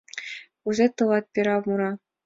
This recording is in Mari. Кузе тылат пера мура?